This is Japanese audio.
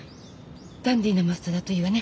ダンディーなマスターだといいわね。